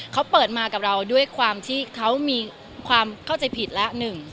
เขาเปิดมากับเราด้วยความที่เขามีความเข้าใจผิดแล้ว